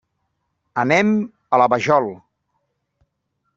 Anem a la Vajol.